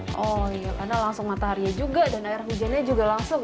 oh karena langsung matahari juga dan air hujannya juga langsung ya